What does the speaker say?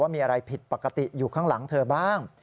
มีอะไรผิดปกติอยู่ข้างหลังเธอบ้าง